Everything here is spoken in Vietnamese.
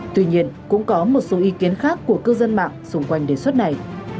tuy nhiên cũng có một số ý kiến khác của cư dân mạng xung quanh đề xuất này